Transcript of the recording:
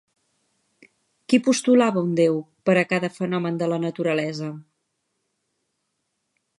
Qui postulava un déu per a cada fenomen de la naturalesa?